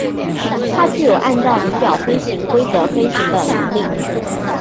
它具有按照仪表飞行规则飞行的能力。